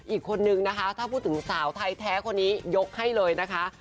อีกคนนึงนะคะถ้าพูดถึงสาวไทยแท้คนนี้ยกให้เลยนะคะ